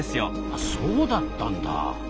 あそうだったんだ。